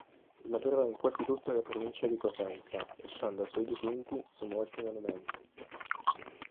Lavorò in quasi tutta la Provincia di Cosenza lasciando suoi dipinti su molti monumenti.